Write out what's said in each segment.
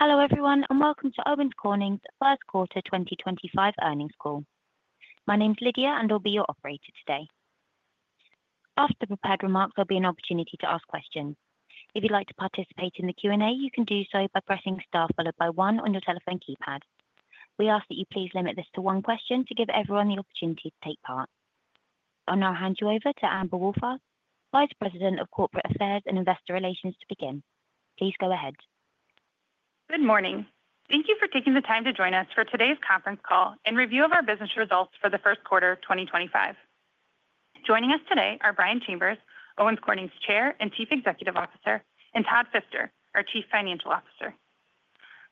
Hello everyone, and welcome to Owens Corning's first quarter 2025 earnings call. My name's Lydia, and I'll be your operator today. After the prepared remarks, there'll be an opportunity to ask questions. If you'd like to participate in the Q&A, you can do so by pressing star followed by one on your telephone keypad. We ask that you please limit this to one question to give everyone the opportunity to take part. I'll now hand you over to Amber Wohlfarth, Vice President of Corporate Affairs and Investor Relations, to begin. Please go ahead. Good morning. Thank you for taking the time to join us for today's conference call and review of our business results for the first quarter of 2025. Joining us today are Brian Chambers, Owens Corning's Chair and Chief Executive Officer, and Todd Fister, our Chief Financial Officer.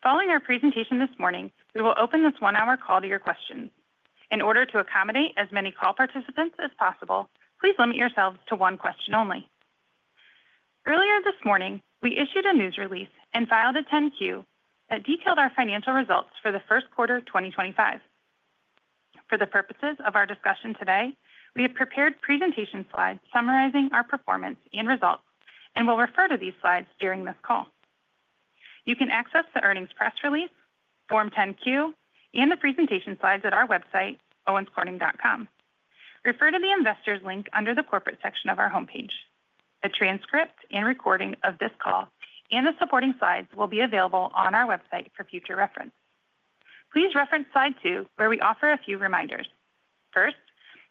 Following our presentation this morning, we will open this one-hour call to your questions. In order to accommodate as many call participants as possible, please limit yourselves to one question only. Earlier this morning, we issued a news release and filed a 10-Q that detailed our financial results for the first quarter 2025. For the purposes of our discussion today, we have prepared presentation slides summarizing our performance and results, and we'll refer to these slides during this call. You can access the earnings press release, Form 10-Q, and the presentation slides at our website, owenscorning.com. Refer to the investors' link under the corporate section of our homepage. A transcript and recording of this call and the supporting slides will be available on our website for future reference. Please reference slide two, where we offer a few reminders. First,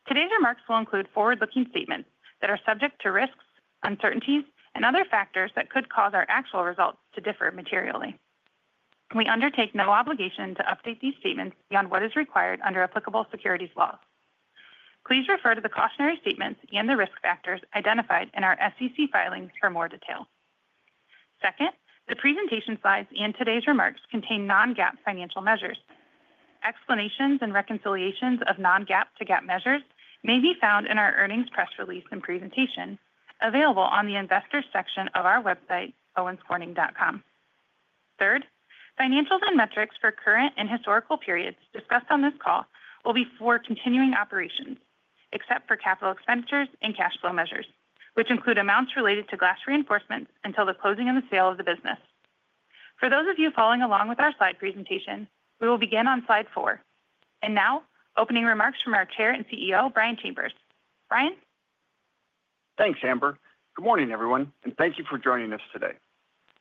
today's remarks will include forward-looking statements that are subject to risks, uncertainties, and other factors that could cause our actual results to differ materially. We undertake no obligation to update these statements beyond what is required under applicable securities laws. Please refer to the cautionary statements and the risk factors identified in our SEC filings for more detail. Second, the presentation slides and today's remarks contain non-GAAP financial measures. Explanations and reconciliations of non-GAAP to GAAP measures may be found in our earnings press release and presentation available on the investors' section of our website, owenscorning.com. Third, financials and metrics for current and historical periods discussed on this call will be for continuing operations, except for capital expenditures and cash flow measures, which include amounts related to glass reinforcements until the closing and the sale of the business. For those of you following along with our slide presentation, we will begin on slide four. Now, opening remarks from our Chair and CEO, Brian Chambers. Brian? Thanks, Amber. Good morning, everyone, and thank you for joining us today.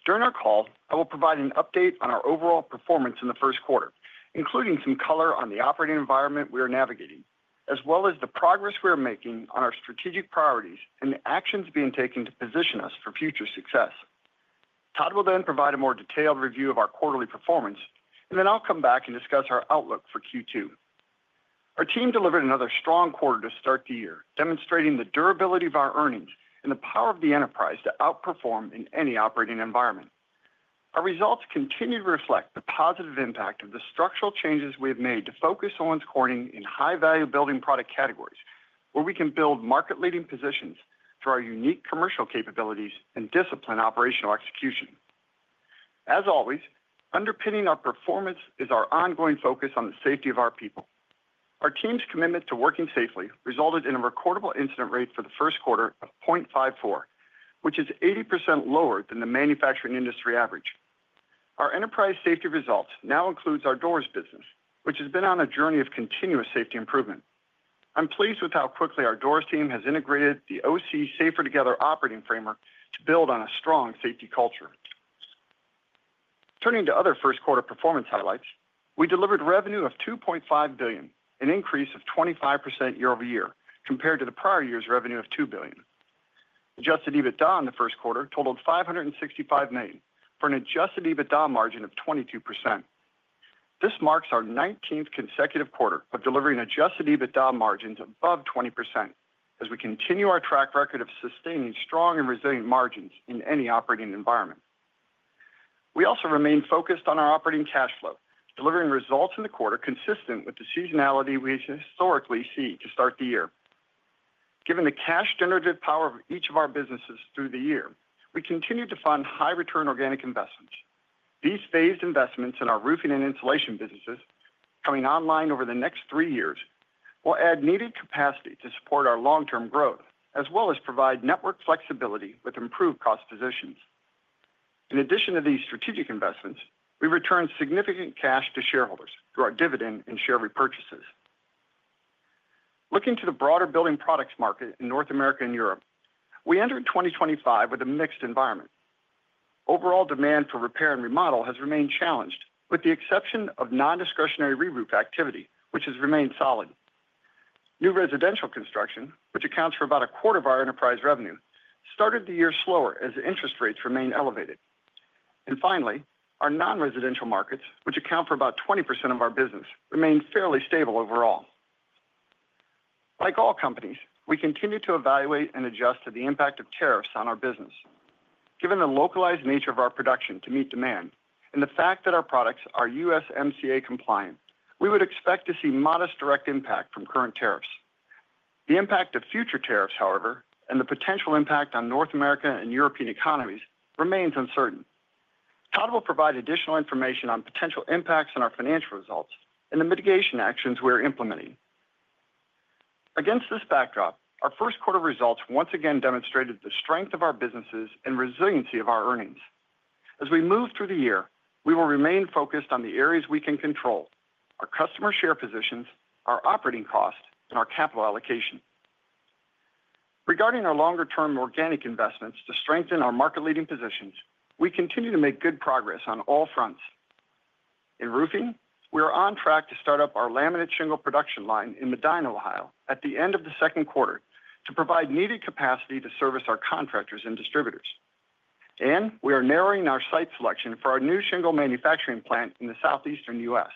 During our call, I will provide an update on our overall performance in the first quarter, including some color on the operating environment we are navigating, as well as the progress we are making on our strategic priorities and the actions being taken to position us for future success. Todd will then provide a more detailed review of our quarterly performance, and then I'll come back and discuss our outlook for Q2. Our team delivered another strong quarter to start the year, demonstrating the durability of our earnings and the power of the enterprise to outperform in any operating environment. Our results continue to reflect the positive impact of the structural changes we have made to focus Owens Corning in high-value building product categories, where we can build market-leading positions through our unique commercial capabilities and disciplined operational execution. As always, underpinning our performance is our ongoing focus on the safety of our people. Our team's commitment to working safely resulted in a recordable incident rate for the first quarter of 0.54, which is 80% lower than the manufacturing industry average. Our enterprise safety results now include our doors business, which has been on a journey of continuous safety improvement. I'm pleased with how quickly our doors team has integrated the OC Safer Together operating framework to build on a strong safety culture. Turning to other first-quarter performance highlights, we delivered revenue of $2.5 billion, an increase of 25% year-over-year compared to the prior year's revenue of $2 billion. Adjusted EBITDA in the first quarter totaled $565 million, for an adjusted EBITDA margin of 22%. This marks our 19th consecutive quarter of delivering adjusted EBITDA margins above 20%, as we continue our track record of sustaining strong and resilient margins in any operating environment. We also remain focused on our operating cash flow, delivering results in the quarter consistent with the seasonality we historically see to start the year. Given the cash-generative power of each of our businesses through the year, we continue to fund high-return organic investments. These phased investments in our roofing and insulation businesses, coming online over the next three years, will add needed capacity to support our long-term growth, as well as provide network flexibility with improved cost positions. In addition to these strategic investments, we return significant cash to shareholders through our dividend and share repurchases. Looking to the broader building products market in North America and Europe, we entered 2025 with a mixed environment. Overall demand for repair and remodel has remained challenged, with the exception of non-discretionary re-roof activity, which has remained solid. New residential construction, which accounts for about a quarter of our enterprise revenue, started the year slower as interest rates remained elevated. Finally, our non-residential markets, which account for about 20% of our business, remained fairly stable overall. Like all companies, we continue to evaluate and adjust to the impact of tariffs on our business. Given the localized nature of our production to meet demand, and the fact that our products are USMCA compliant, we would expect to see modest direct impact from current tariffs. The impact of future tariffs, however, and the potential impact on North America and European economies remains uncertain. Todd will provide additional information on potential impacts on our financial results and the mitigation actions we are implementing. Against this backdrop, our first quarter results once again demonstrated the strength of our businesses and resiliency of our earnings. As we move through the year, we will remain focused on the areas we can control: our customer share positions, our operating costs, and our capital allocation. Regarding our longer-term organic investments to strengthen our market-leading positions, we continue to make good progress on all fronts. In roofing, we are on track to start up our laminate shingle production line in Medina, Ohio, at the end of the second quarter to provide needed capacity to service our contractors and distributors. We are narrowing our site selection for our new shingle manufacturing plant in the southeastern U.S.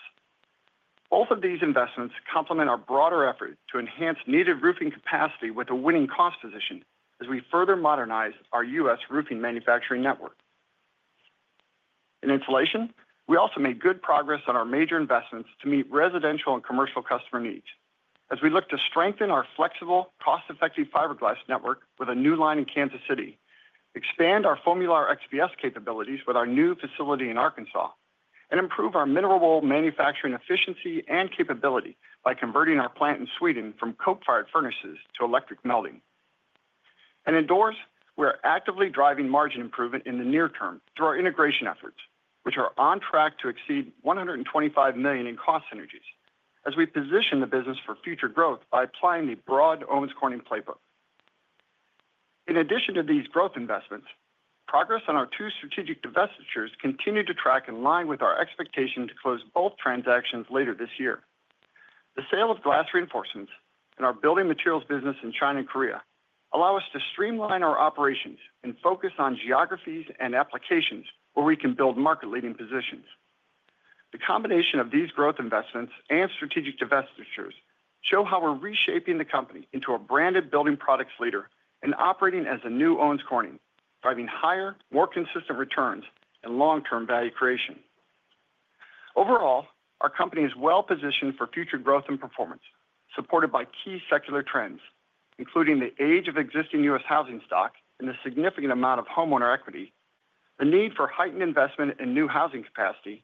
Both of these investments complement our broader effort to enhance needed roofing capacity with a winning cost position as we further modernize our U.S. roofing manufacturing network. In insulation, we also made good progress on our major investments to meet residential and commercial customer needs, as we look to strengthen our flexible, cost-effective fiberglass network with a new line in Kansas City, expand our Formular XBS capabilities with our new facility in Arkansas, and improve our mineral wool manufacturing efficiency and capability by converting our plant in Sweden from coal-fired furnaces to electric melting. Indoors, we are actively driving margin improvement in the near term through our integration efforts, which are on track to exceed $125 million in cost synergies, as we position the business for future growth by applying the broad Owens Corning playbook. In addition to these growth investments, progress on our two strategic divestitures continues to track in line with our expectation to close both transactions later this year. The sale of glass reinforcements and our building materials business in China and Korea allow us to streamline our operations and focus on geographies and applications where we can build market-leading positions. The combination of these growth investments and strategic divestitures shows how we're reshaping the company into a branded building products leader and operating as a new Owens Corning, driving higher, more consistent returns and long-term value creation. Overall, our company is well-positioned for future growth and performance, supported by key secular trends, including the age of existing U.S. housing stock and the significant amount of homeowner equity, the need for heightened investment in new housing capacity,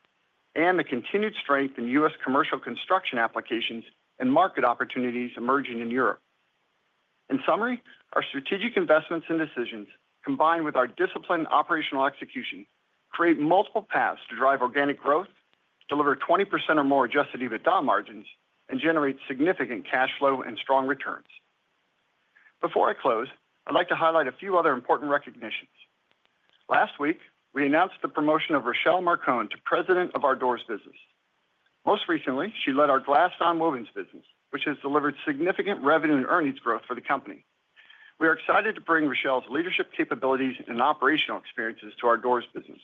and the continued strength in U.S. commercial construction applications and market opportunities emerging in Europe. In summary, our strategic investments and decisions, combined with our disciplined operational execution, create multiple paths to drive organic growth, deliver 20% or more adjusted EBITDA margins, and generate significant cash flow and strong returns. Before I close, I'd like to highlight a few other important recognitions. Last week, we announced the promotion of Rochelle Marcon to President of our doors business. Most recently, she led our glass nonwovens business, which has delivered significant revenue and earnings growth for the company. We are excited to bring Rochelle's leadership capabilities and operational experiences to our doors business.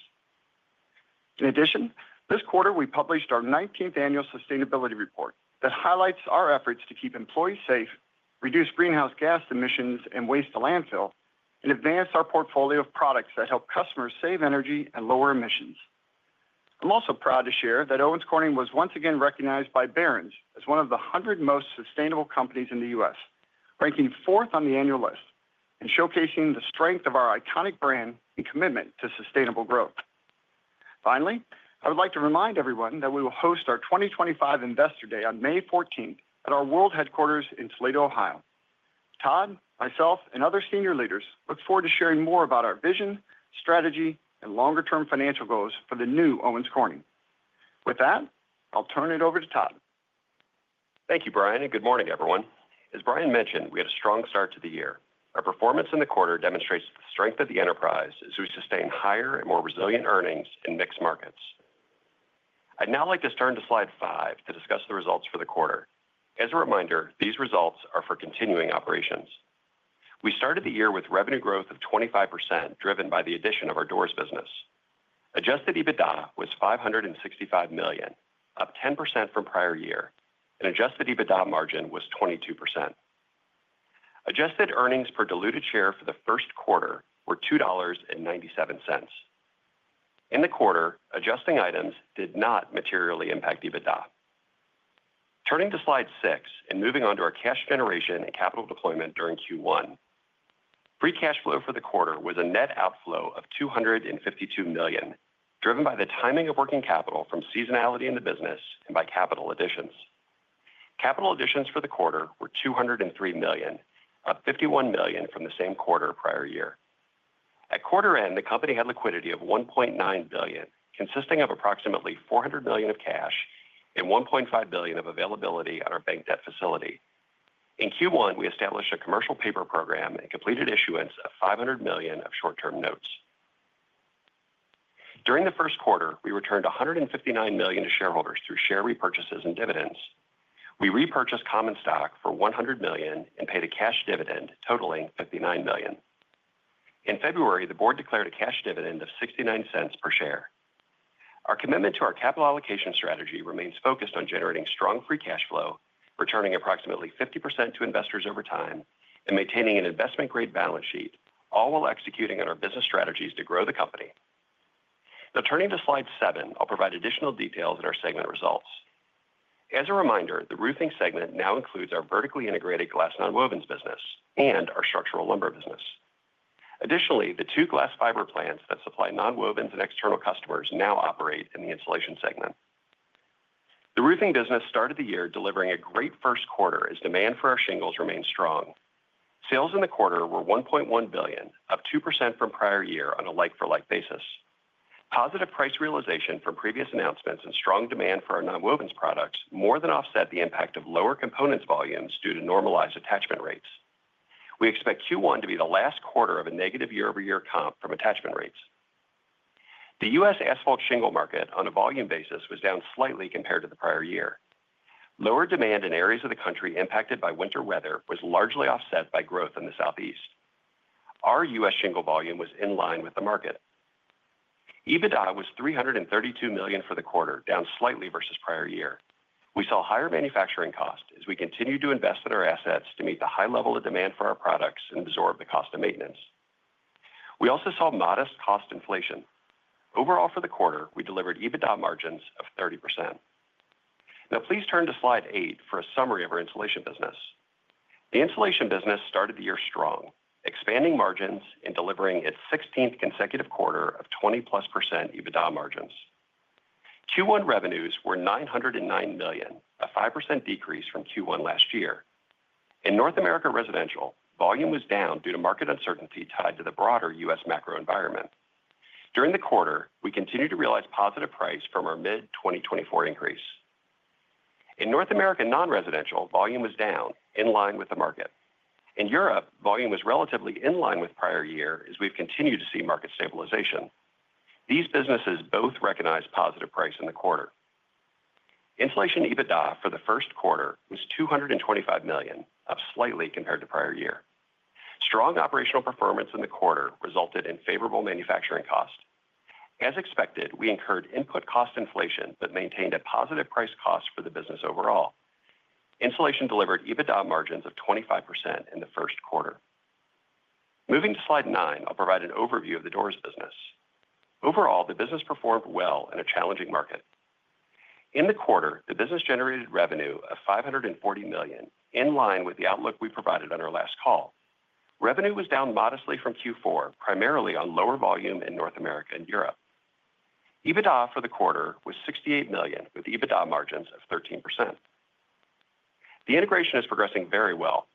In addition, this quarter, we published our 19th annual sustainability report that highlights our efforts to keep employees safe, reduce greenhouse gas emissions and waste to landfill, and advance our portfolio of products that help customers save energy and lower emissions. I'm also proud to share that Owens Corning was once again recognized by Barron's as one of the 100 most sustainable companies in the U.S., ranking fourth on the annual list and showcasing the strength of our iconic brand and commitment to sustainable growth. Finally, I would like to remind everyone that we will host our 2025 Investor Day on May 14th at our world headquarters in Toledo, Ohio. Todd, myself, and other senior leaders look forward to sharing more about our vision, strategy, and longer-term financial goals for the new Owens Corning. With that, I'll turn it over to Todd. Thank you, Brian, and good morning, everyone. As Brian mentioned, we had a strong start to the year. Our performance in the quarter demonstrates the strength of the enterprise as we sustain higher and more resilient earnings in mixed markets. I'd now like to turn to slide five to discuss the results for the quarter. As a reminder, these results are for continuing operations. We started the year with revenue growth of 25% driven by the addition of our doors business. Adjusted EBITDA was $565 million, up 10% from prior year, and adjusted EBITDA margin was 22%. Adjusted earnings per diluted share for the first quarter were $2.97. In the quarter, adjusting items did not materially impact EBITDA. Turning to slide six and moving on to our cash generation and capital deployment during Q1, free cash flow for the quarter was a net outflow of $252 million, driven by the timing of working capital from seasonality in the business and by capital additions. Capital additions for the quarter were $203 million, up $51 million from the same quarter prior year. At quarter end, the company had liquidity of $1.9 billion, consisting of approximately $400 million of cash and $1.5 billion of availability at our bank debt facility. In Q1, we established a commercial paper program and completed issuance of $500 million of short-term notes. During the first quarter, we returned $159 million to shareholders through share repurchases and dividends. We repurchased common stock for $100 million and paid a cash dividend totaling $59 million. In February, the board declared a cash dividend of $0.69 per share. Our commitment to our capital allocation strategy remains focused on generating strong free cash flow, returning approximately 50% to investors over time, and maintaining an investment-grade balance sheet, all while executing on our business strategies to grow the company. Now, turning to slide seven, I'll provide additional details in our segment results. As a reminder, the roofing segment now includes our vertically integrated glass nonwovens business and our structural lumber business. Additionally, the two glass fiber plants that supply nonwovens and external customers now operate in the insulation segment. The roofing business started the year delivering a great first quarter as demand for our shingles remained strong. Sales in the quarter were $1.1 billion, up 2% from prior year on a like-for-like basis. Positive price realization from previous announcements and strong demand for our nonwovens products more than offset the impact of lower components volumes due to normalized attachment rates. We expect Q1 to be the last quarter of a negative year-over-year comp from attachment rates. The U.S. asphalt shingle market, on a volume basis, was down slightly compared to the prior year. Lower demand in areas of the country impacted by winter weather was largely offset by growth in the southeast. Our U.S. shingle volume was in line with the market. EBITDA was $332 million for the quarter, down slightly versus prior year. We saw higher manufacturing costs as we continued to invest in our assets to meet the high level of demand for our products and absorb the cost of maintenance. We also saw modest cost inflation. Overall, for the quarter, we delivered EBITDA margins of 30%. Now, please turn to slide eight for a summary of our insulation business. The insulation business started the year strong, expanding margins and delivering its 16th consecutive quarter of 20+% EBITDA margins. Q1 revenues were $909 million, a 5% decrease from Q1 last year. In North America residential, volume was down due to market uncertainty tied to the broader U.S. macro environment. During the quarter, we continued to realize positive price from our mid-2024 increase. In North America nonresidential, volume was down, in line with the market. In Europe, volume was relatively in line with prior year as we have continued to see market stabilization. These businesses both recognized positive price in the quarter. Insulation EBITDA for the first quarter was $225 million, up slightly compared to prior year. Strong operational performance in the quarter resulted in favorable manufacturing cost. As expected, we incurred input cost inflation but maintained a positive price cost for the business overall. Insulation delivered EBITDA margins of 25% in the first quarter. Moving to slide nine, I'll provide an overview of the doors business. Overall, the business performed well in a challenging market. In the quarter, the business generated revenue of $540 million, in line with the outlook we provided on our last call. Revenue was down modestly from Q4, primarily on lower volume in North America and Europe. EBITDA for the quarter was $68 million, with EBITDA margins of 13%. The integration is progressing very well.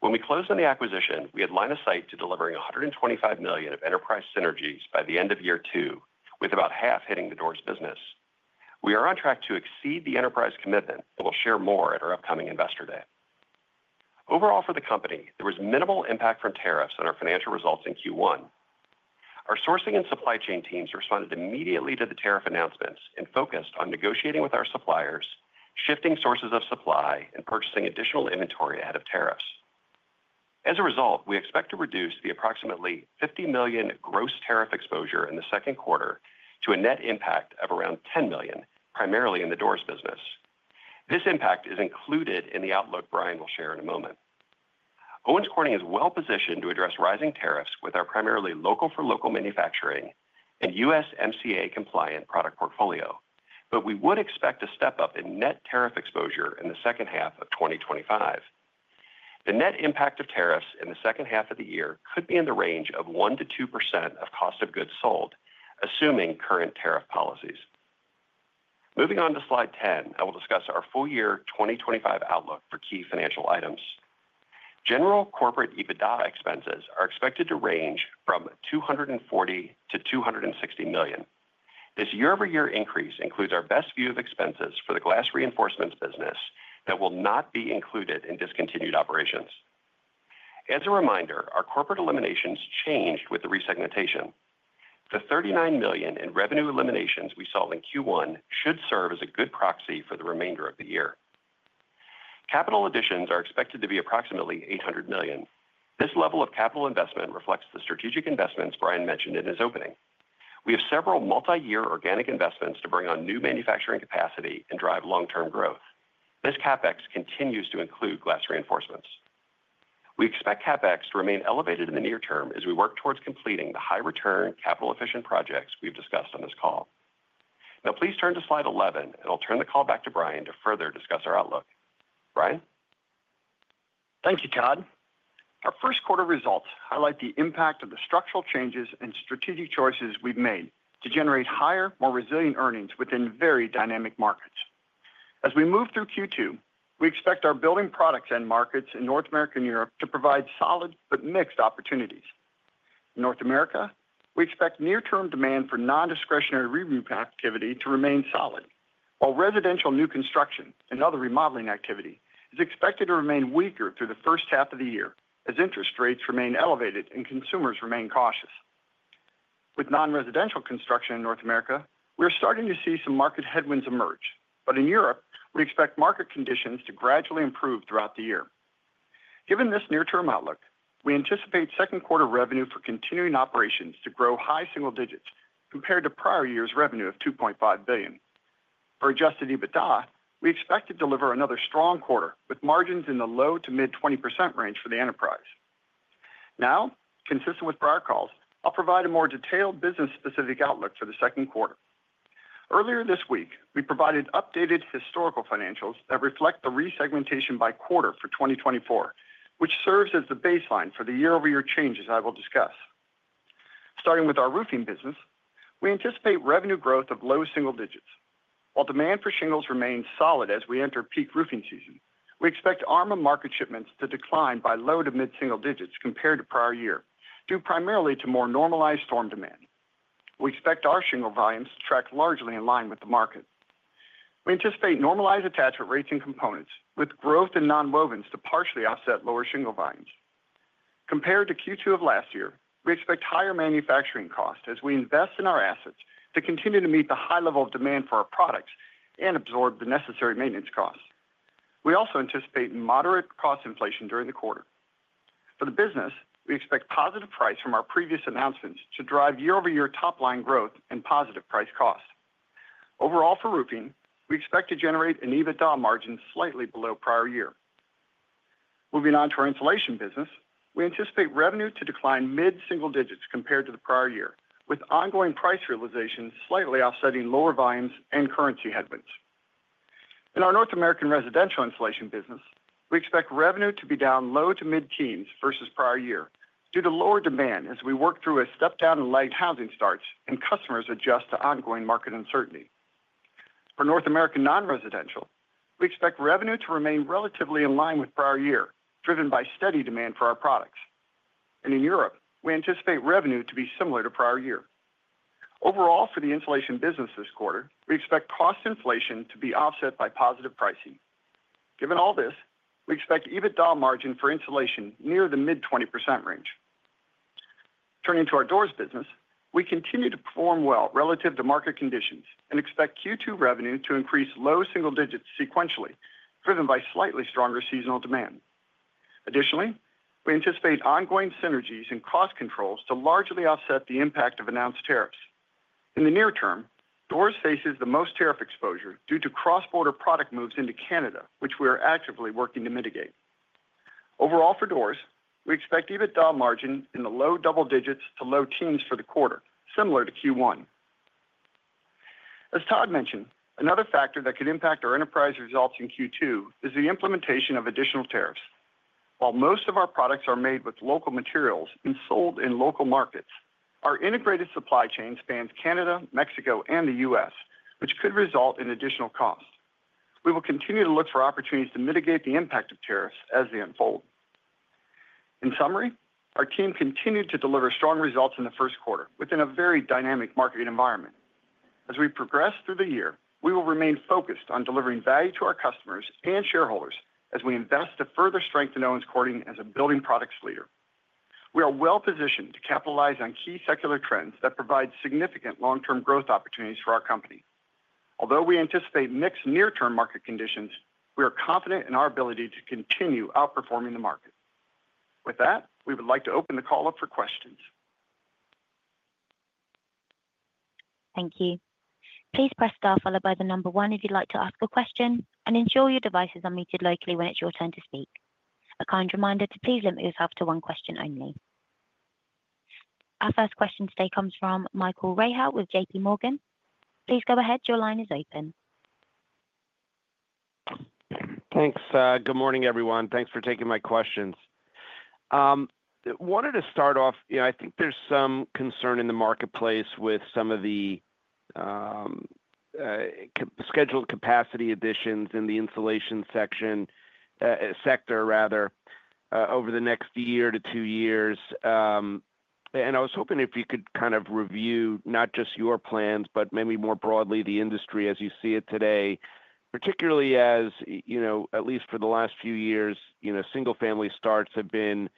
When we closed on the acquisition, we had line of sight to delivering $125 million of enterprise synergies by the end of year two, with about half hitting the doors business. We are on track to exceed the enterprise commitment and will share more at our upcoming Investor Day. Overall, for the company, there was minimal impact from tariffs on our financial results in Q1. Our sourcing and supply chain teams responded immediately to the tariff announcements and focused on negotiating with our suppliers, shifting sources of supply, and purchasing additional inventory ahead of tariffs. As a result, we expect to reduce the approximately $50 million gross tariff exposure in the second quarter to a net impact of around $10 million, primarily in the doors business. This impact is included in the outlook Brian will share in a moment. Owens Corning is well-positioned to address rising tariffs with our primarily local-for-local manufacturing and U.S. MCA-compliant product portfolio, but we would expect a step-up in net tariff exposure in the second half of 2025. The net impact of tariffs in the second half of the year could be in the range of 1%-2% of cost of goods sold, assuming current tariff policies. Moving on to slide ten, I will discuss our full-year 2025 outlook for key financial items. General corporate EBITDA expenses are expected to range from $240 million-$260 million. This year-over-year increase includes our best view of expenses for the glass reinforcements business that will not be included in discontinued operations. As a reminder, our corporate eliminations changed with the resegmentation. The $39 million in revenue eliminations we saw in Q1 should serve as a good proxy for the remainder of the year. Capital additions are expected to be approximately $800 million. This level of capital investment reflects the strategic investments Brian mentioned in his opening. We have several multi-year organic investments to bring on new manufacturing capacity and drive long-term growth. This CapEx continues to include glass reinforcements. We expect CapEx to remain elevated in the near term as we work towards completing the high-return, capital-efficient projects we've discussed on this call. Now, please turn to slide 11, and I'll turn the call back to Brian to further discuss our outlook. Brian? Thank you, Todd. Our first quarter results highlight the impact of the structural changes and strategic choices we have made to generate higher, more resilient earnings within very dynamic markets. As we move through Q2, we expect our building products and markets in North America and Europe to provide solid but mixed opportunities. In North America, we expect near-term demand for non-discretionary re-roof activity to remain solid, while residential new construction and other remodeling activity is expected to remain weaker through the first half of the year as interest rates remain elevated and consumers remain cautious. With non-residential construction in North America, we are starting to see some market headwinds emerge, but in Europe, we expect market conditions to gradually improve throughout the year. Given this near-term outlook, we anticipate second quarter revenue for continuing operations to grow high single digits compared to prior year's revenue of $2.5 billion. For adjusted EBITDA, we expect to deliver another strong quarter with margins in the low to mid-20% range for the enterprise. Now, consistent with prior calls, I'll provide a more detailed business-specific outlook for the second quarter. Earlier this week, we provided updated historical financials that reflect the resegmentation by quarter for 2024, which serves as the baseline for the year-over-year changes I will discuss. Starting with our roofing business, we anticipate revenue growth of low single digits. While demand for shingles remains solid as we enter peak roofing season, we expect armor market shipments to decline by low to mid-single digits compared to prior year due primarily to more normalized storm demand. We expect our shingle volumes to track largely in line with the market. We anticipate normalized attachment rates and components, with growth in nonwovens to partially offset lower shingle volumes. Compared to Q2 of last year, we expect higher manufacturing costs as we invest in our assets to continue to meet the high level of demand for our products and absorb the necessary maintenance costs. We also anticipate moderate cost inflation during the quarter. For the business, we expect positive price from our previous announcements to drive year-over-year top-line growth and positive price cost. Overall, for roofing, we expect to generate an EBITDA margin slightly below prior year. Moving on to our insulation business, we anticipate revenue to decline mid-single digits compared to the prior year, with ongoing price realization slightly offsetting lower volumes and currency headwinds. In our North American residential insulation business, we expect revenue to be down low to mid-teens versus prior year due to lower demand as we work through a step-down in light housing starts and customers adjust to ongoing market uncertainty. For North American nonresidential, we expect revenue to remain relatively in line with prior year, driven by steady demand for our products. In Europe, we anticipate revenue to be similar to prior year. Overall, for the insulation business this quarter, we expect cost inflation to be offset by positive pricing. Given all this, we expect EBITDA margin for insulation near the mid-20% range. Turning to our doors business, we continue to perform well relative to market conditions and expect Q2 revenue to increase low single digits sequentially, driven by slightly stronger seasonal demand. Additionally, we anticipate ongoing synergies and cost controls to largely offset the impact of announced tariffs. In the near term, doors faces the most tariff exposure due to cross-border product moves into Canada, which we are actively working to mitigate. Overall, for doors, we expect EBITDA margin in the low double digits to low teens for the quarter, similar to Q1. As Todd mentioned, another factor that could impact our enterprise results in Q2 is the implementation of additional tariffs. While most of our products are made with local materials and sold in local markets, our integrated supply chain spans Canada, Mexico, and the U.S., which could result in additional cost. We will continue to look for opportunities to mitigate the impact of tariffs as they unfold. In summary, our team continued to deliver strong results in the first quarter within a very dynamic market environment. As we progress through the year, we will remain focused on delivering value to our customers and shareholders as we invest to further strengthen Owens Corning as a building products leader. We are well-positioned to capitalize on key secular trends that provide significant long-term growth opportunities for our company. Although we anticipate mixed near-term market conditions, we are confident in our ability to continue outperforming the market. With that, we would like to open the call up for questions. Thank you. Please press star followed by the number one if you'd like to ask a question, and ensure your devices are muted locally when it's your turn to speak. A kind reminder to please limit yourself to one question only. Our first question today comes from Michael Rehaut with JPMorgan. Please go ahead. Your line is open. Thanks. Good morning, everyone. Thanks for taking my questions. I wanted to start off, I think there's some concern in the marketplace with some of the scheduled capacity additions in the insulation sector over the next year to two years. I was hoping if you could kind of review not just your plans, but maybe more broadly the industry as you see it today, particularly as, at least for the last few years, single-family starts have been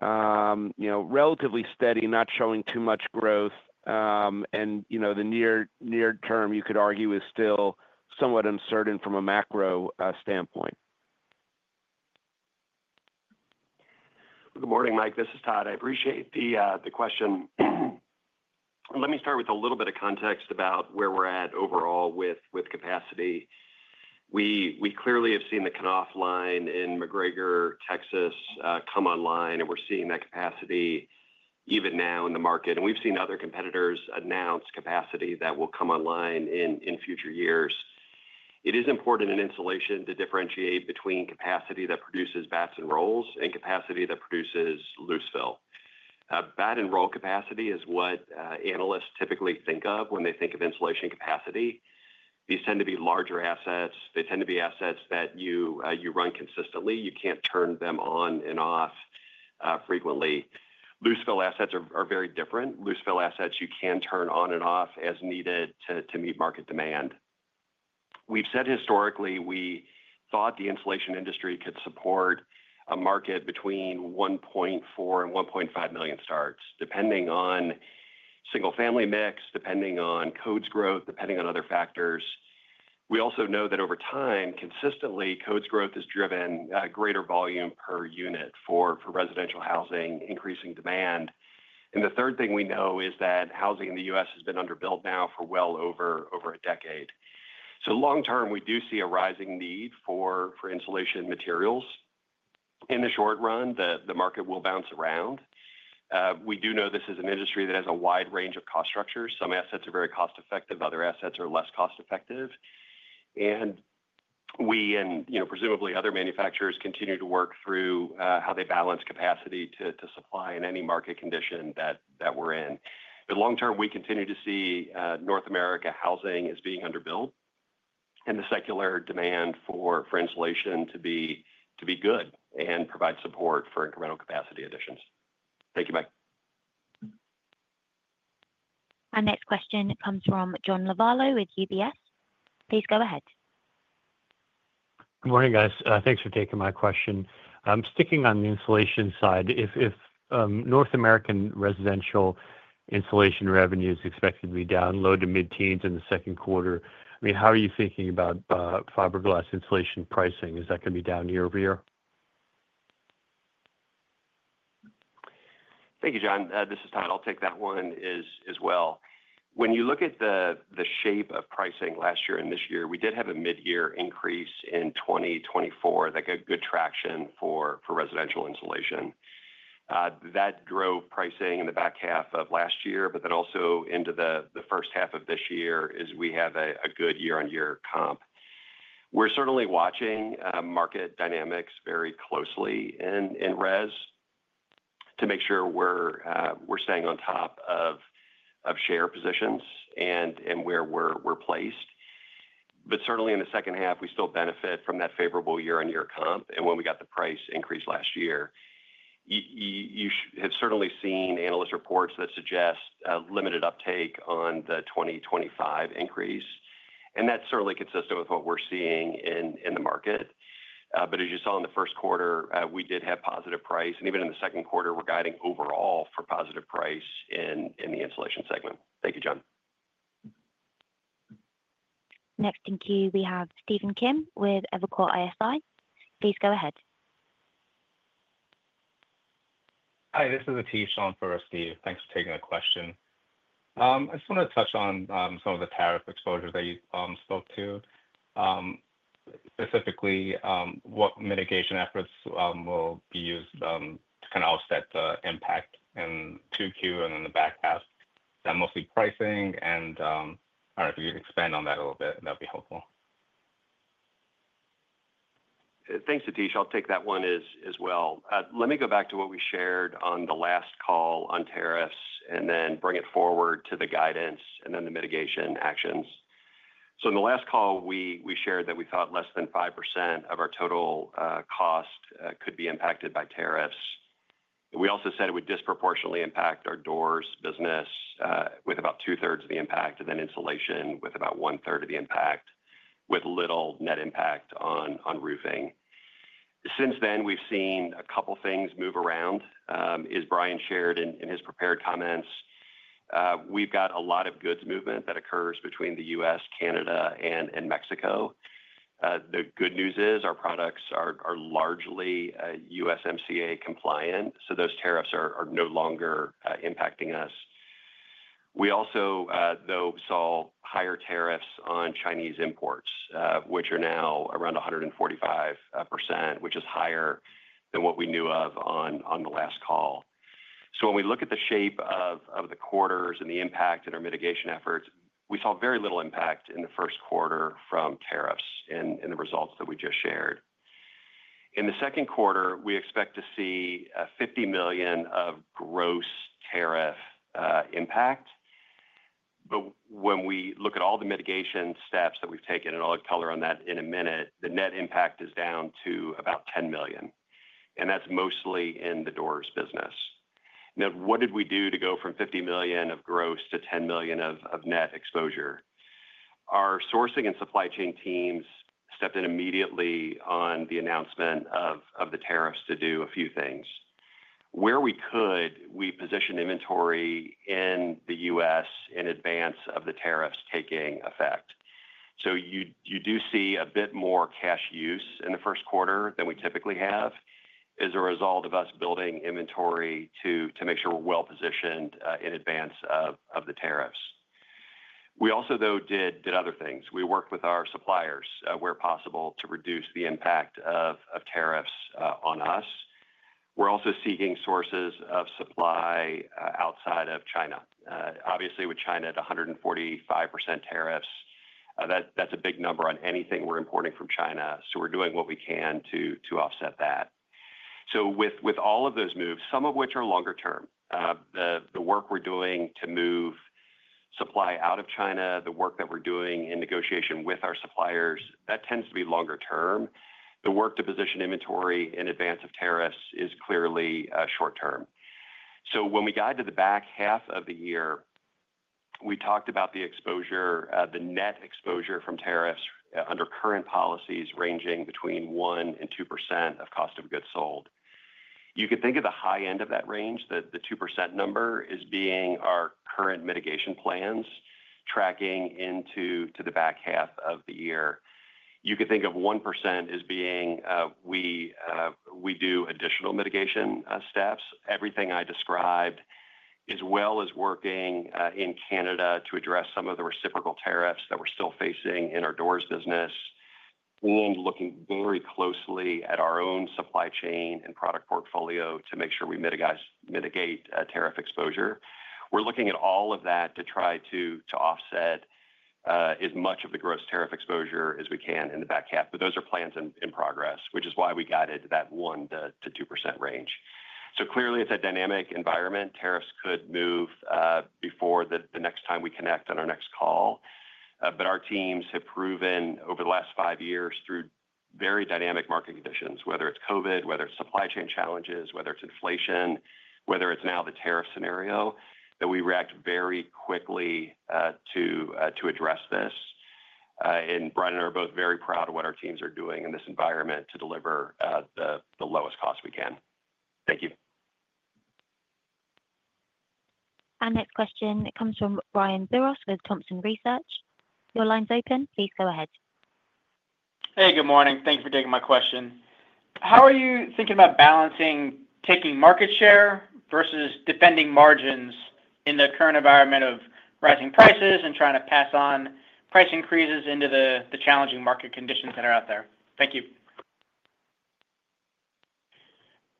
relatively steady, not showing too much growth, and the near term, you could argue, is still somewhat uncertain from a macro standpoint. Good morning, Mike. This is Todd. I appreciate the question. Let me start with a little bit of context about where we're at overall with capacity. We clearly have seen the Knauf line in McGregor, Texas, come online, and we're seeing that capacity even now in the market. We have seen other competitors announce capacity that will come online in future years. It is important in insulation to differentiate between capacity that produces batts and rolls and capacity that produces loose fill. Batt and roll capacity is what analysts typically think of when they think of insulation capacity. These tend to be larger assets. They tend to be assets that you run consistently. You can't turn them on and off frequently. Loose fill assets are very different. Loose fill assets, you can turn on and off as needed to meet market demand. We've said historically we thought the insulation industry could support a market between 1.4 million and 1.5 million starts, depending on single-family mix, depending on codes growth, depending on other factors. We also know that over time, consistently, codes growth has driven greater volume per unit for residential housing, increasing demand. The third thing we know is that housing in the U.S. has been underbuilt now for well over a decade. Long term, we do see a rising need for insulation materials. In the short run, the market will bounce around. We do know this is an industry that has a wide range of cost structures. Some assets are very cost-effective. Other assets are less cost-effective. We, and presumably other manufacturers, continue to work through how they balance capacity to supply in any market condition that we're in. Long term, we continue to see North America housing as being underbuilt and the secular demand for insulation to be good and provide support for incremental capacity additions. Thank you, Mike. Our next question comes from John Lovallo with UBS. Please go ahead. Good morning, guys. Thanks for taking my question. Sticking on the insulation side, if North American residential insulation revenue is expected to be down low to mid-teens in the second quarter, I mean, how are you thinking about fiberglass insulation pricing? Is that going to be down year over year? Thank you, John. This is Todd. I'll take that one as well. When you look at the shape of pricing last year and this year, we did have a mid-year increase in 2024 that got good traction for residential insulation. That drove pricing in the back half of last year, but then also into the first half of this year as we have a good year-on-year comp. We're certainly watching market dynamics very closely in res to make sure we're staying on top of share positions and where we're placed. Certainly, in the second half, we still benefit from that favorable year-on-year comp. When we got the price increase last year, you have certainly seen analyst reports that suggest limited uptake on the 2025 increase. That's certainly consistent with what we're seeing in the market. As you saw in the first quarter, we did have positive price. Even in the second quarter, we are guiding overall for positive price in the insulation segment. Thank you, John. Next, thank you. We have Stephen Kim with Evercore ISI. Please go ahead. Hi, this is Atif Shan for Steve. Thanks for taking the question. I just want to touch on some of the tariff exposures that you spoke to, specifically what mitigation efforts will be used to kind of offset the impact in Q2 and in the back half. That's mostly pricing. I don't know if you could expand on that a little bit. That would be helpful. Thanks, Atif. I'll take that one as well. Let me go back to what we shared on the last call on tariffs and then bring it forward to the guidance and then the mitigation actions. In the last call, we shared that we thought less than 5% of our total cost could be impacted by tariffs. We also said it would disproportionately impact our doors business with about two-thirds of the impact and then insulation with about one-third of the impact with little net impact on roofing. Since then, we've seen a couple of things move around, as Brian shared in his prepared comments. We've got a lot of goods movement that occurs between the U.S., Canada, and Mexico. The good news is our products are largely USMCA compliant, so those tariffs are no longer impacting us. We also, though, saw higher tariffs on Chinese imports, which are now around 145%, which is higher than what we knew of on the last call. When we look at the shape of the quarters and the impact in our mitigation efforts, we saw very little impact in the first quarter from tariffs in the results that we just shared. In the second quarter, we expect to see $50 million of gross tariff impact. When we look at all the mitigation steps that we've taken, and I'll explain on that in a minute, the net impact is down to about $10 million. That's mostly in the doors business. Now, what did we do to go from $50 million of gross to $10 million of net exposure? Our sourcing and supply chain teams stepped in immediately on the announcement of the tariffs to do a few things. Where we could, we positioned inventory in the U.S. in advance of the tariffs taking effect. You do see a bit more cash use in the first quarter than we typically have as a result of us building inventory to make sure we're well-positioned in advance of the tariffs. We also, though, did other things. We worked with our suppliers where possible to reduce the impact of tariffs on us. We're also seeking sources of supply outside of China. Obviously, with China at 145% tariffs, that's a big number on anything we're importing from China. We're doing what we can to offset that. With all of those moves, some of which are longer-term, the work we're doing to move supply out of China, the work that we're doing in negotiation with our suppliers, that tends to be longer-term. The work to position inventory in advance of tariffs is clearly short-term. When we guided the back half of the year, we talked about the net exposure from tariffs under current policies ranging between 1% and 2% of cost of goods sold. You could think of the high end of that range, the 2% number, as being our current mitigation plans tracking into the back half of the year. You could think of 1% as being we do additional mitigation steps. Everything I described, as well as working in Canada to address some of the reciprocal tariffs that we're still facing in our doors business, and looking very closely at our own supply chain and product portfolio to make sure we mitigate tariff exposure. We're looking at all of that to try to offset as much of the gross tariff exposure as we can in the back half. Those are plans in progress, which is why we guided that 1%-2% range. Clearly, it is a dynamic environment. Tariffs could move before the next time we connect on our next call. Our teams have proven over the last five years through very dynamic market conditions, whether it is COVID, whether it is supply chain challenges, whether it is inflation, whether it is now the tariff scenario, that we react very quickly to address this. Brian and I are both very proud of what our teams are doing in this environment to deliver the lowest cost we can. Thank you. Our next question, it comes from Brian Biros with Thompson Research. Your line's open. Please go ahead. Hey, good morning. Thank you for taking my question. How are you thinking about balancing taking market share versus defending margins in the current environment of rising prices and trying to pass on price increases into the challenging market conditions that are out there? Thank you.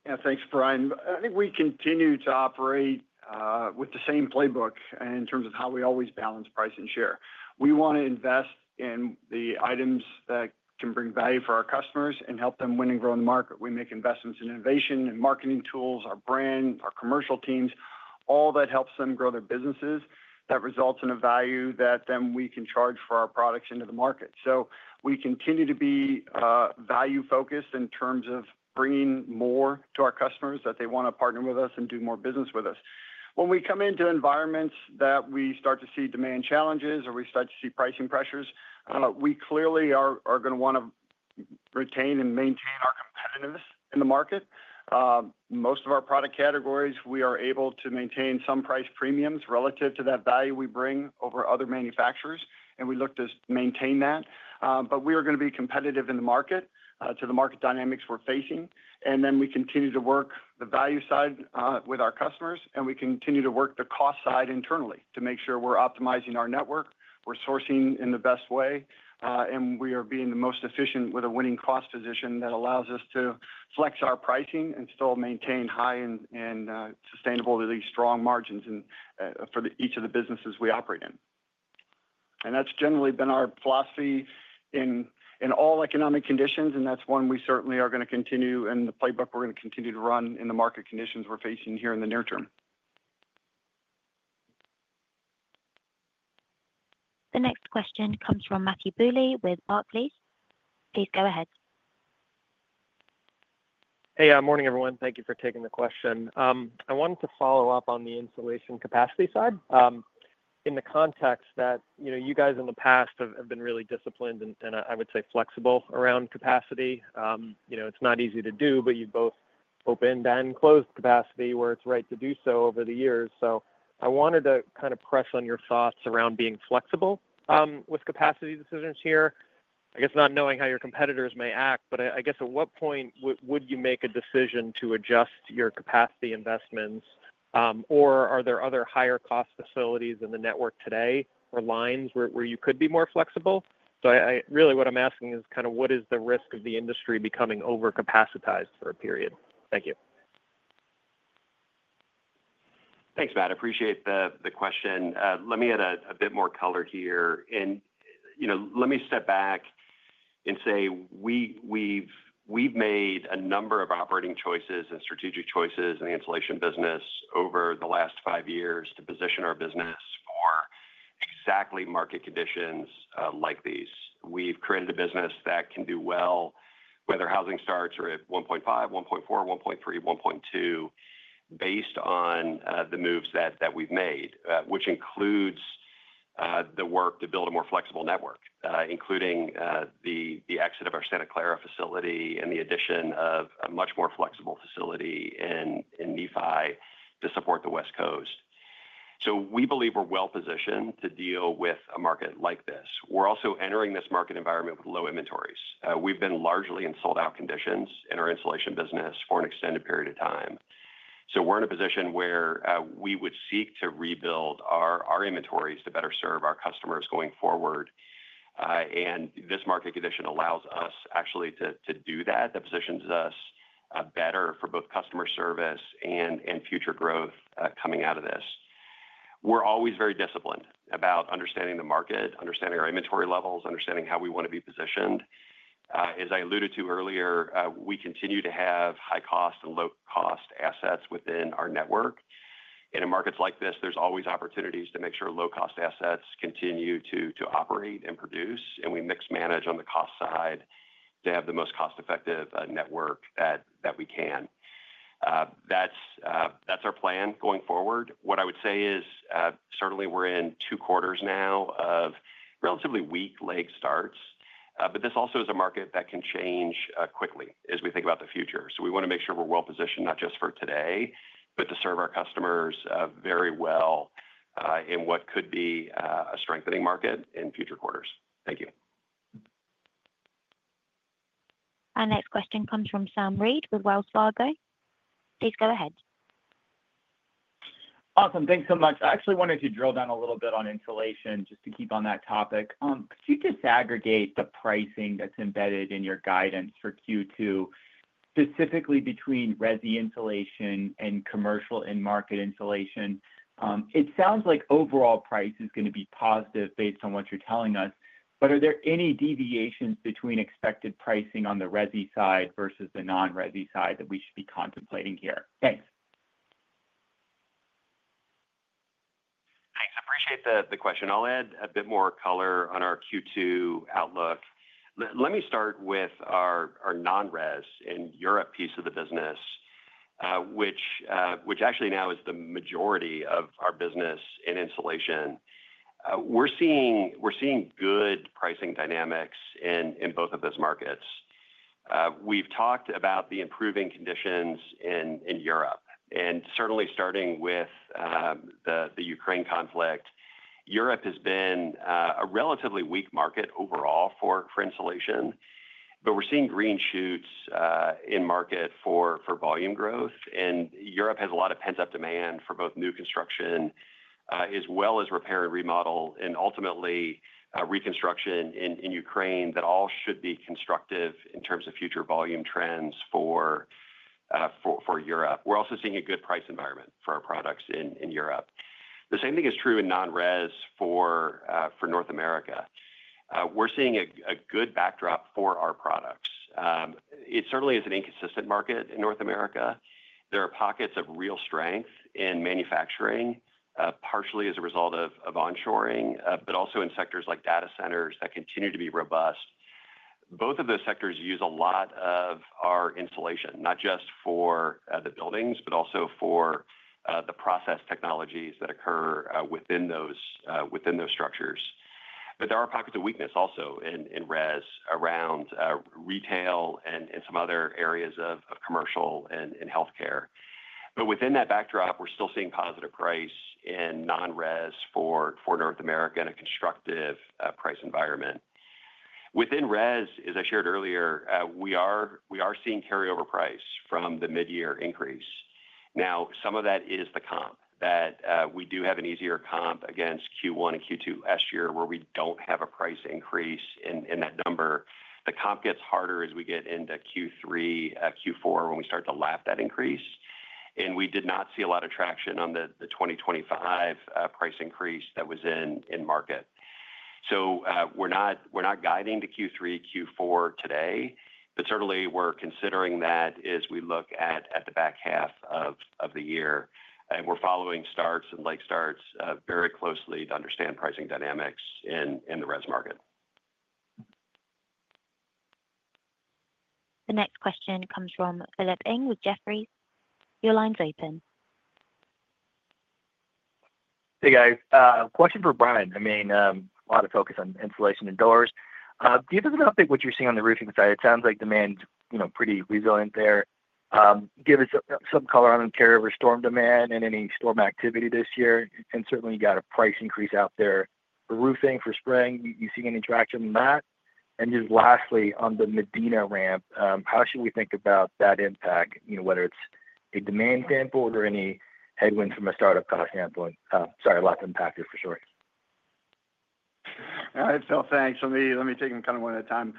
Yeah, thanks, Brian. I think we continue to operate with the same playbook in terms of how we always balance price and share. We want to invest in the items that can bring value for our customers and help them win and grow in the market. We make investments in innovation and marketing tools, our brand, our commercial teams, all that helps them grow their businesses that results in a value that then we can charge for our products into the market. We continue to be value-focused in terms of bringing more to our customers that they want to partner with us and do more business with us. When we come into environments that we start to see demand challenges or we start to see pricing pressures, we clearly are going to want to retain and maintain our competitiveness in the market. Most of our product categories, we are able to maintain some price premiums relative to that value we bring over other manufacturers. We look to maintain that. We are going to be competitive in the market to the market dynamics we're facing. We continue to work the value side with our customers, and we continue to work the cost side internally to make sure we're optimizing our network, we're sourcing in the best way, and we are being the most efficient with a winning cost position that allows us to flex our pricing and still maintain high and sustainably strong margins for each of the businesses we operate in. That's generally been our philosophy in all economic conditions, and that's one we certainly are going to continue in the playbook. We're going to continue to run in the market conditions we're facing here in the near term. The next question comes from Matthew Bouley with Argus Research. Please go ahead. Hey, good morning, everyone. Thank you for taking the question. I wanted to follow up on the insulation capacity side in the context that you guys in the past have been really disciplined and, I would say, flexible around capacity. It's not easy to do, but you both opened and closed capacity where it's right to do so over the years. I wanted to kind of press on your thoughts around being flexible with capacity decisions here. I guess not knowing how your competitors may act, but I guess at what point would you make a decision to adjust your capacity investments, or are there other higher-cost facilities in the network today or lines where you could be more flexible? Really what I'm asking is kind of what is the risk of the industry becoming over-capacitized for a period? Thank you. Thanks, Matt. I appreciate the question. Let me add a bit more color here. Let me step back and say we've made a number of operating choices and strategic choices in the insulation business over the last five years to position our business for exactly market conditions like these. We've created a business that can do well whether housing starts are at 1.5, 1.4, 1.3, 1.2 based on the moves that we've made, which includes the work to build a more flexible network, including the exit of our Santa Clara facility and the addition of a much more flexible facility in Nephi to support the West Coast. We believe we're well-positioned to deal with a market like this. We're also entering this market environment with low inventories. We've been largely in sold-out conditions in our insulation business for an extended period of time. We're in a position where we would seek to rebuild our inventories to better serve our customers going forward. This market condition allows us actually to do that. That positions us better for both customer service and future growth coming out of this. We're always very disciplined about understanding the market, understanding our inventory levels, understanding how we want to be positioned. As I alluded to earlier, we continue to have high-cost and low-cost assets within our network. In markets like this, there's always opportunities to make sure low-cost assets continue to operate and produce. We mix manage on the cost side to have the most cost-effective network that we can. That's our plan going forward. What I would say is certainly we're in two quarters now of relatively weak leg starts. This also is a market that can change quickly as we think about the future. We want to make sure we're well-positioned not just for today, but to serve our customers very well in what could be a strengthening market in future quarters. Thank you. Our next question comes from Sam Reid with Wells Fargo. Please go ahead. Awesome. Thanks so much. I actually wanted to drill down a little bit on insulation just to keep on that topic. Could you disaggregate the pricing that's embedded in your guidance for Q2, specifically between resi insulation and commercial and market insulation? It sounds like overall price is going to be positive based on what you're telling us. Are there any deviations between expected pricing on the resi side versus the non-resi side that we should be contemplating here? Thanks. Thanks. I appreciate the question Reid. I'll add a bit more color on our Q2 outlook. Let me start with our non-res in Europe piece of the business, which actually now is the majority of our business in insulation. We're seeing good pricing dynamics in both of those markets. We've talked about the improving conditions in Europe. Certainly starting with the Ukraine conflict, Europe has been a relatively weak market overall for insulation. We're seeing green shoots in market for volume growth. Europe has a lot of pent-up demand for both new construction as well as repair and remodel and ultimately reconstruction in Ukraine that all should be constructive in terms of future volume trends for Europe. We're also seeing a good price environment for our products in Europe. The same thing is true in non-res for North America. We're seeing a good backdrop for our products. It certainly is an inconsistent market in North America. There are pockets of real strength in manufacturing, partially as a result of onshoring, but also in sectors like data centers that continue to be robust. Both of those sectors use a lot of our insulation, not just for the buildings, but also for the process technologies that occur within those structures. There are pockets of weakness also in res around retail and some other areas of commercial and healthcare. Within that backdrop, we're still seeing positive price in non-res for North America in a constructive price environment. Within res, as I shared earlier, we are seeing carryover price from the mid-year increase. Now, some of that is the comp. We do have an easier comp against Q1 and Q2 last year where we don't have a price increase in that number. The comp gets harder as we get into Q3, Q4 when we start to lap that increase. We did not see a lot of traction on the 2025 price increase that was in market. We are not guiding to Q3, Q4 today. Certainly, we are considering that as we look at the back half of the year. We are following starts and leg starts very closely to understand pricing dynamics in the res market. The next question comes from Philip Ng with Jefferies. Your line's open. Hey, guys. Question for Brian. I mean, a lot of focus on insulation and doors. Give us an update on what you're seeing on the roofing side. It sounds like demand's pretty resilient there. Give us some color on the carryover storm demand and any storm activity this year. You got a price increase out there for roofing for spring. You see any traction on that? Just lastly, on the Medina ramp, how should we think about that impact, whether it's a demand sample or any headwinds from a startup cost standpoint? Sorry, a lot to unpack here for sure. All right, Phil. Thanks. Let me take them kind of one at a time.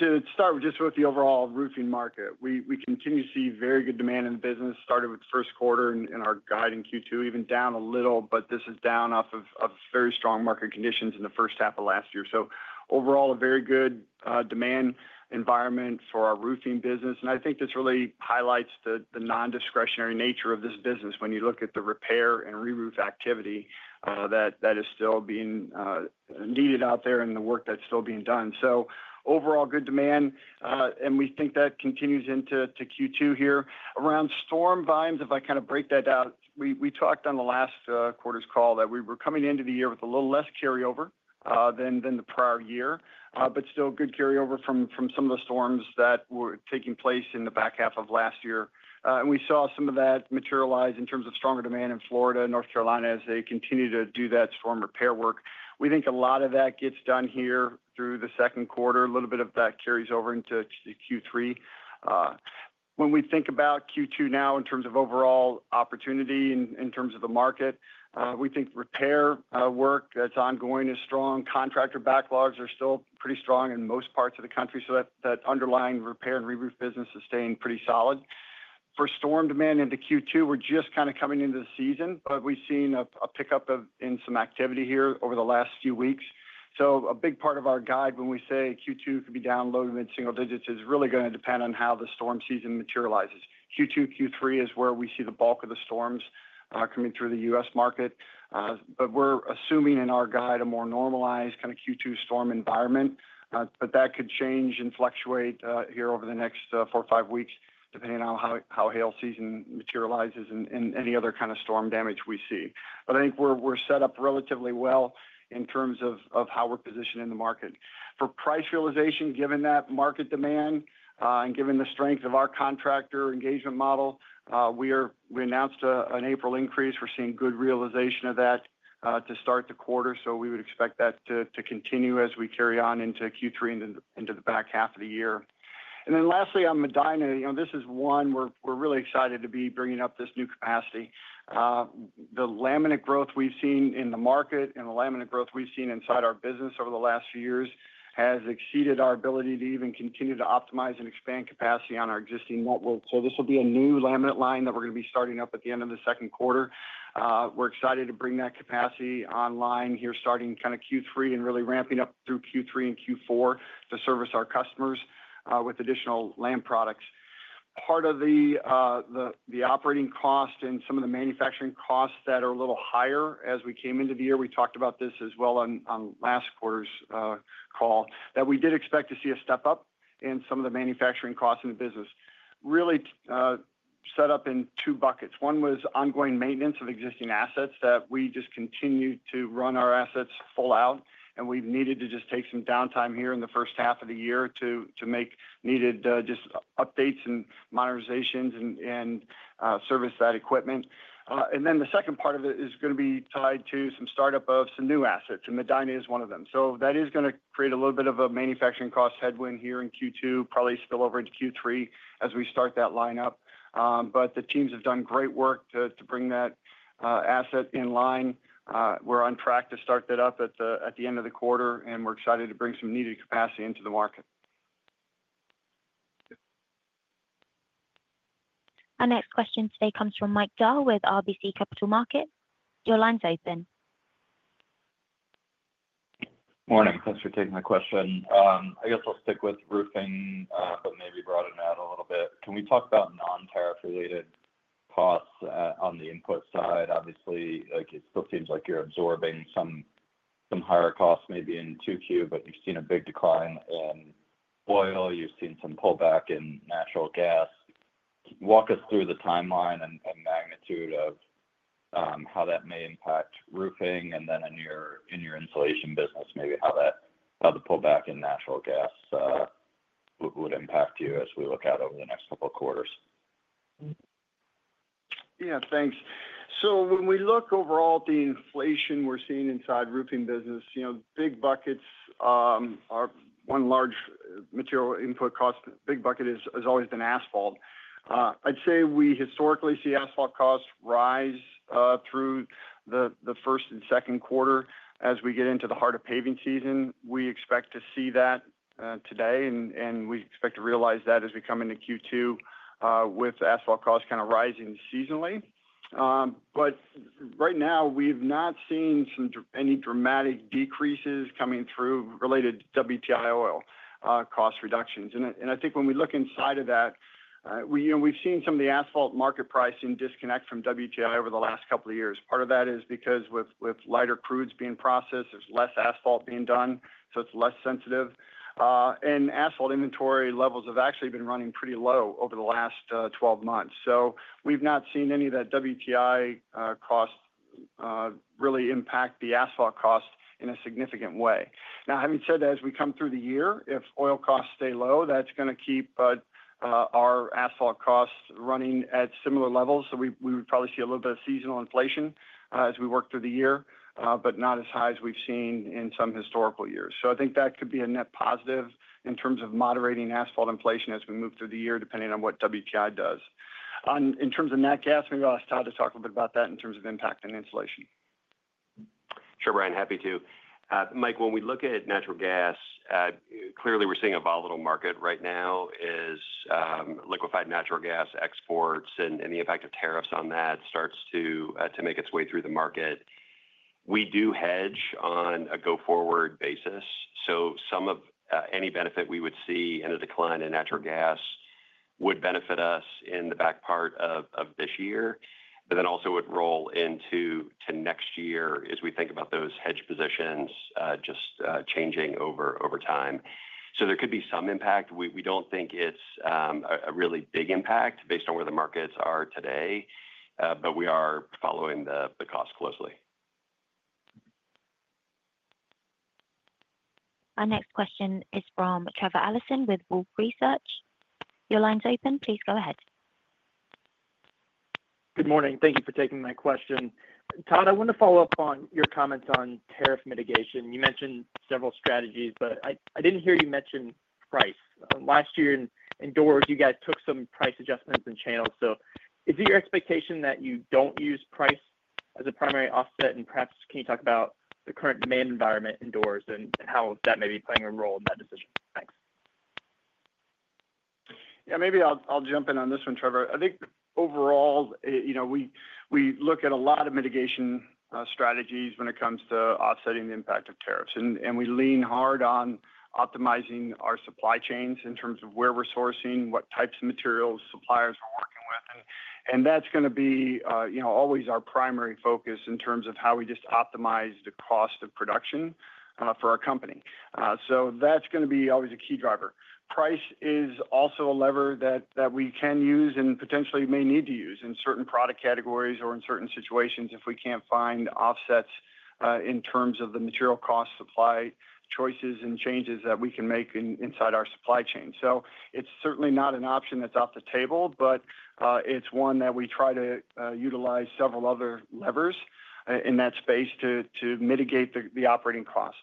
To start just with the overall roofing market, we continue to see very good demand in the business, started with the first quarter in our guide in Q2, even down a little, but this is down off of very strong market conditions in the first half of last year. Overall, a very good demand environment for our roofing business. I think this really highlights the non-discretionary nature of this business when you look at the repair and re-roof activity that is still being needed out there and the work that's still being done. Overall, good demand. We think that continues into Q2 here. Around storm volumes, if I kind of break that out, we talked on the last quarter's call that we were coming into the year with a little less carryover than the prior year, but still good carryover from some of the storms that were taking place in the back half of last year. We saw some of that materialize in terms of stronger demand in Florida and North Carolina as they continue to do that storm repair work. We think a lot of that gets done here through the second quarter. A little bit of that carries over into Q3. When we think about Q2 now in terms of overall opportunity and in terms of the market, we think repair work that's ongoing is strong. Contractor backlogs are still pretty strong in most parts of the country. That underlying repair and re-roof business is staying pretty solid. For storm demand into Q2, we're just kind of coming into the season, but we've seen a pickup in some activity here over the last few weeks. A big part of our guide when we say Q2 could be down low to mid-single digits is really going to depend on how the storm season materializes. Q2, Q3 is where we see the bulk of the storms coming through the U.S. market. We're assuming in our guide a more normalized kind of Q2 storm environment. That could change and fluctuate here over the next four or five weeks, depending on how hail season materializes and any other kind of storm damage we see. I think we're set up relatively well in terms of how we're positioned in the market. For price realization, given that market demand and given the strength of our contractor engagement model, we announced an April increase. We're seeing good realization of that to start the quarter. We would expect that to continue as we carry on into Q3 and into the back half of the year. Lastly, on Medina, this is one we're really excited to be bringing up this new capacity. The laminate growth we've seen in the market and the laminate growth we've seen inside our business over the last few years has exceeded our ability to even continue to optimize and expand capacity on our existing network. This will be a new laminate line that we're going to be starting up at the end of the second quarter. We're excited to bring that capacity online here starting kind of Q3 and really ramping up through Q3 and Q4 to service our customers with additional lamp products. Part of the operating cost and some of the manufacturing costs that are a little higher as we came into the year, we talked about this as well on last quarter's call, that we did expect to see a step up in some of the manufacturing costs in the business. Really set up in two buckets. One was ongoing maintenance of existing assets that we just continue to run our assets full out. We've needed to just take some downtime here in the first half of the year to make needed just updates and modernizations and service that equipment. The second part of it is going to be tied to some startup of some new assets. Medina is one of them. That is going to create a little bit of a manufacturing cost headwind here in Q2, probably spill over into Q3 as we start that lineup. The teams have done great work to bring that asset in line. We are on track to start that up at the end of the quarter. We are excited to bring some needed capacity into the market. Our next question today comes from Mike Dahl with RBC Capital Markets. Your line's open. Morning. Thanks for taking my question. I guess I'll stick with roofing, but maybe broaden that a little bit. Can we talk about non-tariff related costs on the input side? Obviously, it still seems like you're absorbing some higher costs maybe in Q2, but you've seen a big decline in oil. You've seen some pullback in natural gas. Walk us through the timeline and magnitude of how that may impact roofing and then in your insulation business, maybe how the pullback in natural gas would impact you as we look out over the next couple of quarters. Yeah, thanks. When we look overall at the inflation we're seeing inside roofing business, big buckets are one large material input cost. Big bucket has always been asphalt. I'd say we historically see asphalt costs rise through the first and second quarter as we get into the heart of paving season. We expect to see that today. We expect to realize that as we come into Q2 with asphalt costs kind of rising seasonally. Right now, we've not seen any dramatic decreases coming through related to WTI oil cost reductions. I think when we look inside of that, we've seen some of the asphalt market pricing disconnect from WTI over the last couple of years. Part of that is because with lighter crudes being processed, there's less asphalt being done. It's less sensitive. Asphalt inventory levels have actually been running pretty low over the last 12 months. We have not seen any of that WTI cost really impact the asphalt cost in a significant way. Now, having said that, as we come through the year, if oil costs stay low, that is going to keep our asphalt costs running at similar levels. We would probably see a little bit of seasonal inflation as we work through the year, but not as high as we have seen in some historical years. I think that could be a net positive in terms of moderating asphalt inflation as we move through the year, depending on what WTI does. In terms of natural gas, maybe I will ask Todd to talk a little bit about that in terms of impact on insulation. Sure, Brian. Happy to. Mike, when we look at natural gas, clearly we're seeing a volatile market right now as liquefied natural gas exports and the impact of tariffs on that starts to make its way through the market. We do hedge on a go-forward basis. Some of any benefit we would see in a decline in natural gas would benefit us in the back part of this year, but then also would roll into next year as we think about those hedge positions just changing over time. There could be some impact. We don't think it's a really big impact based on where the markets are today, but we are following the cost closely. Our next question is from Trevor Allinson with Wolfe Research. Your line's open. Please go ahead. Good morning. Thank you for taking my question. Todd, I want to follow up on your comments on tariff mitigation. You mentioned several strategies, but I did not hear you mention price. Last year in doors, you guys took some price adjustments and channels. Is it your expectation that you do not use price as a primary offset? Perhaps can you talk about the current demand environment in doors and how that may be playing a role in that decision? Thanks. Yeah, maybe I'll jump in on this one, Trevor. I think overall, we look at a lot of mitigation strategies when it comes to offsetting the impact of tariffs. We lean hard on optimizing our supply chains in terms of where we're sourcing, what types of materials suppliers we're working with. That's going to be always our primary focus in terms of how we just optimize the cost of production for our company. That's going to be always a key driver. Price is also a lever that we can use and potentially may need to use in certain product categories or in certain situations if we can't find offsets in terms of the material cost supply choices and changes that we can make inside our supply chain. It is certainly not an option that is off the table, but it is one that we try to utilize several other levers in that space to mitigate the operating cost.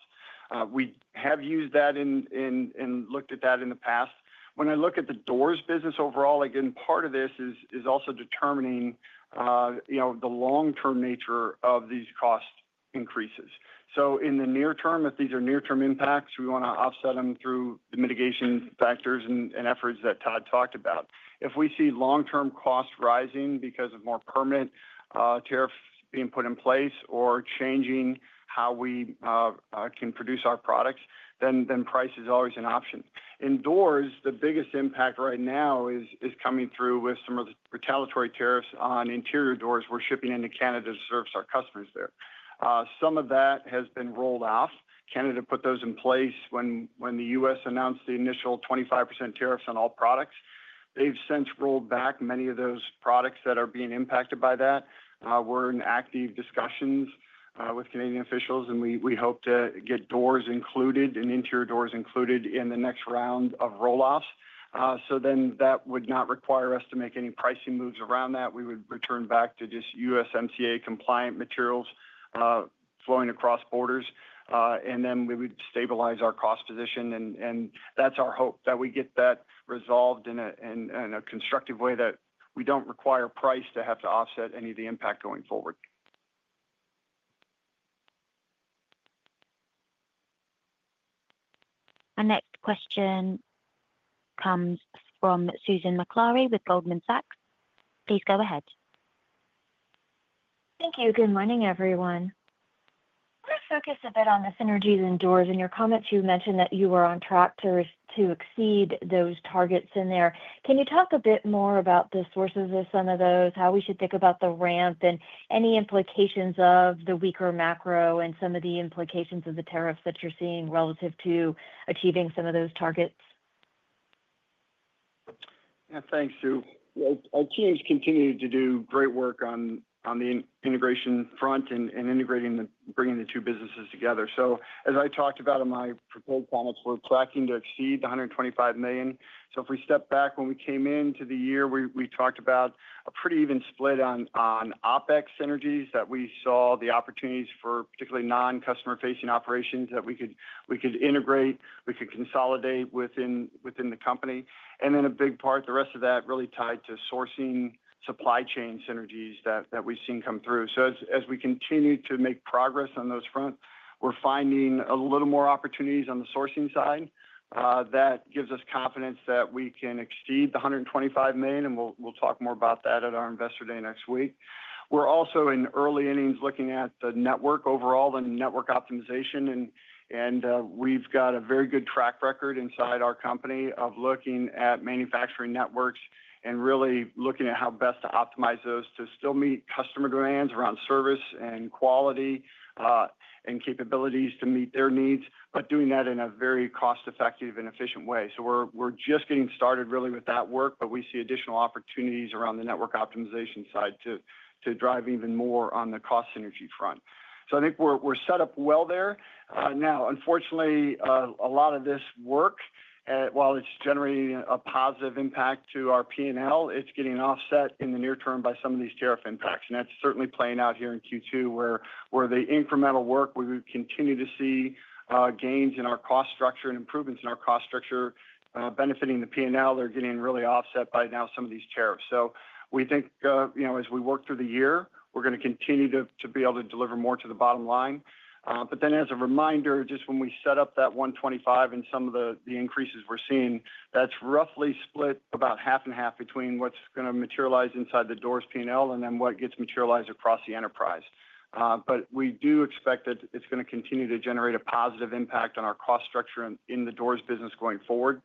We have used that and looked at that in the past. When I look at the doors business overall, again, part of this is also determining the long-term nature of these cost increases. In the near term, if these are near-term impacts, we want to offset them through the mitigation factors and efforts that Todd talked about. If we see long-term costs rising because of more permanent tariffs being put in place or changing how we can produce our products, then price is always an option. In doors, the biggest impact right now is coming through with some of the retaliatory tariffs on interior doors we are shipping into Canada to service our customers there. Some of that has been rolled off. Canada put those in place when the U.S. announced the initial 25% tariffs on all products. They've since rolled back many of those products that are being impacted by that. We're in active discussions with Canadian officials, and we hope to get doors included and interior doors included in the next round of rolloffs. That would not require us to make any pricing moves around that. We would return back to just USMCA compliant materials flowing across borders. We would stabilize our cost position. That is our hope that we get that resolved in a constructive way that we do not require price to have to offset any of the impact going forward. Our next question comes from Susan McAllister with Goldman Sachs. Please go ahead. Thank you. Good morning, everyone. I want to focus a bit on the synergies in doors. In your comments, you mentioned that you were on track to exceed those targets in there. Can you talk a bit more about the sources of some of those, how we should think about the ramp, and any implications of the weaker macro and some of the implications of the tariffs that you're seeing relative to achieving some of those targets? Yeah, thanks, Sue. TM's continued to do great work on the integration front and integrating and bringing the two businesses together. As I talked about in my proposed comments, we're tracking to exceed $125 million. If we step back, when we came into the year, we talked about a pretty even split on OPEX synergies that we saw the opportunities for, particularly non-customer-facing operations that we could integrate, we could consolidate within the company. A big part, the rest of that, really tied to sourcing supply chain synergies that we've seen come through. As we continue to make progress on those fronts, we're finding a little more opportunities on the sourcing side. That gives us confidence that we can exceed the $125 million, and we'll talk more about that at our investor day next week. We're also in early innings looking at the network overall, the network optimization. We've got a very good track record inside our company of looking at manufacturing networks and really looking at how best to optimize those to still meet customer demands around service and quality and capabilities to meet their needs, but doing that in a very cost-effective and efficient way. We're just getting started really with that work, but we see additional opportunities around the network optimization side to drive even more on the cost synergy front. I think we're set up well there. Now, unfortunately, a lot of this work, while it's generating a positive impact to our P&L, is getting offset in the near term by some of these tariff impacts. That is certainly playing out here in Q2, where the incremental work, we would continue to see gains in our cost structure and improvements in our cost structure benefiting the P&L. They are getting really offset by now some of these tariffs. We think as we work through the year, we are going to continue to be able to deliver more to the bottom line. As a reminder, just when we set up that $125 million and some of the increases we are seeing, that is roughly split about half and half between what is going to materialize inside the doors P&L and then what gets materialized across the enterprise. We do expect that it is going to continue to generate a positive impact on our cost structure in the doors business going forward.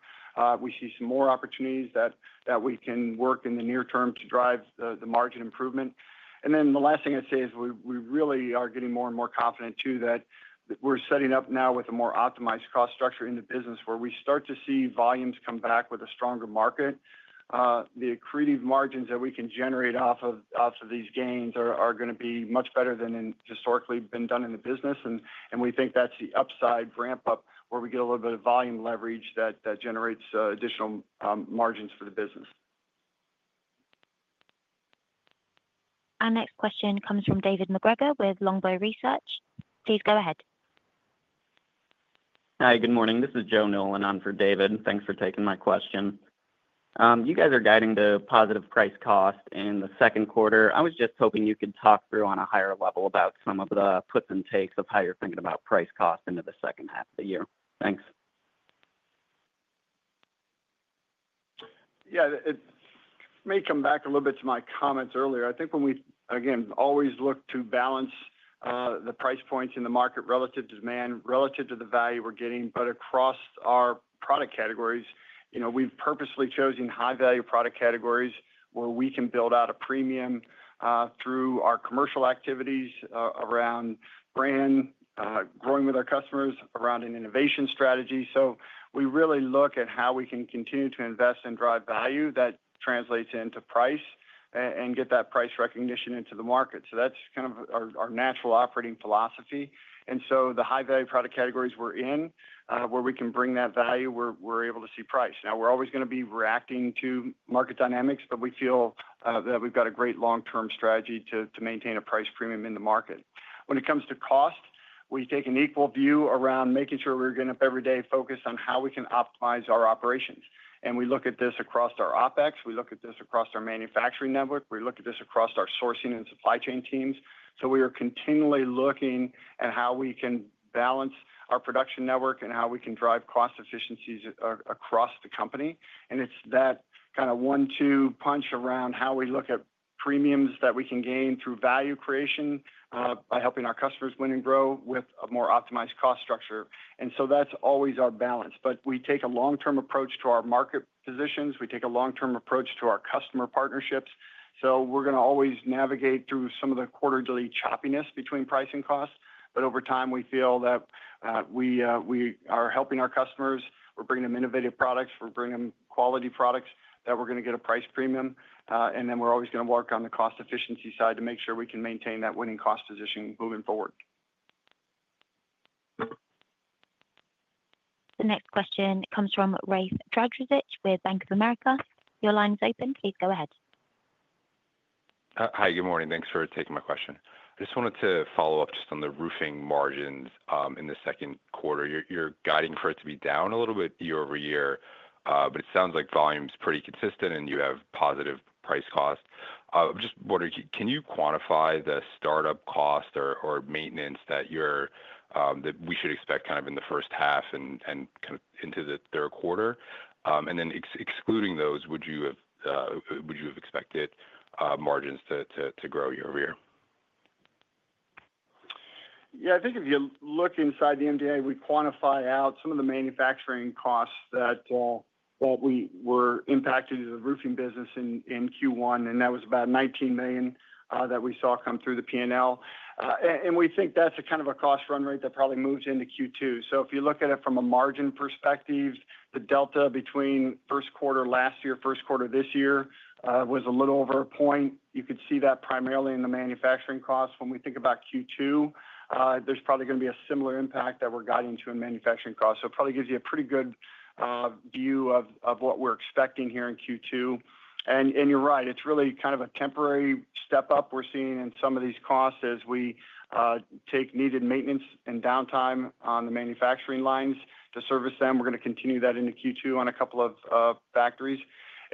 We see some more opportunities that we can work in the near term to drive the margin improvement. The last thing I'd say is we really are getting more and more confident too that we're setting up now with a more optimized cost structure in the business where we start to see volumes come back with a stronger market. The accretive margins that we can generate off of these gains are going to be much better than historically been done in the business. We think that's the upside ramp up where we get a little bit of volume leverage that generates additional margins for the business. Our next question comes from Joe Nolan with Longbow Research. Please go ahead. Hi, good morning. This is Joe Nolan on for David. Thanks for taking my question. You guys are guiding the positive price cost in the second quarter. I was just hoping you could talk through on a higher level about some of the puts and takes of how you're thinking about price costs into the second half of the year. Thanks. Yeah, it may come back a little bit to my comments earlier. I think when we, again, always look to balance the price points in the market relative to demand, relative to the value we're getting, but across our product categories, we've purposely chosen high-value product categories where we can build out a premium through our commercial activities around brand, growing with our customers, around an innovation strategy. We really look at how we can continue to invest and drive value that translates into price and get that price recognition into the market. That's kind of our natural operating philosophy. The high-value product categories we're in, where we can bring that value, we're able to see price. Now, we're always going to be reacting to market dynamics, but we feel that we've got a great long-term strategy to maintain a price premium in the market. When it comes to cost, we take an equal view around making sure we're getting up every day focused on how we can optimize our operations. We look at this across our OPEX. We look at this across our manufacturing network. We look at this across our sourcing and supply chain teams. We are continually looking at how we can balance our production network and how we can drive cost efficiencies across the company. It is that kind of one-two punch around how we look at premiums that we can gain through value creation by helping our customers win and grow with a more optimized cost structure. That is always our balance. We take a long-term approach to our market positions. We take a long-term approach to our customer partnerships. We are going to always navigate through some of the quarterly choppiness between price and cost. Over time, we feel that we are helping our customers. We're bringing them innovative products. We're bringing them quality products that we're going to get a price premium. We're always going to work on the cost efficiency side to make sure we can maintain that winning cost position moving forward. The next question comes from Rafe Jajilvand with Bank of America. Your line's open. Please go ahead. Hi, good morning. Thanks for taking my question. I just wanted to follow up just on the roofing margins in the second quarter. You're guiding for it to be down a little bit year over year, but it sounds like volume's pretty consistent and you have positive price cost. I'm just wondering, can you quantify the startup cost or maintenance that we should expect kind of in the first half and kind of into the third quarter? Then excluding those, would you have expected margins to grow year over year? Yeah, I think if you look inside the MDA, we quantify out some of the manufacturing costs that we were impacted in the roofing business in Q1, and that was about $19 million that we saw come through the P&L. We think that's a kind of a cost run rate that probably moves into Q2. If you look at it from a margin perspective, the delta between first quarter last year, first quarter this year was a little over a point. You could see that primarily in the manufacturing cost. When we think about Q2, there's probably going to be a similar impact that we're guiding to in manufacturing cost. It probably gives you a pretty good view of what we're expecting here in Q2. You're right, it's really kind of a temporary step up we're seeing in some of these costs as we take needed maintenance and downtime on the manufacturing lines to service them. We're going to continue that into Q2 on a couple of factories.